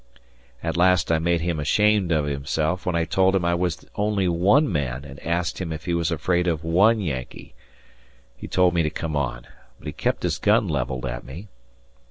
At last I made him ashamed of himself when I told him I was only one man and asked him if he was afraid of one Yankee. He told me to come on, but he kept his gun levelled at me.